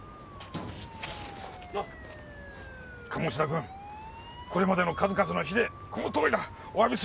鴨志田君これまでの数々の非礼このとおりだおわびする！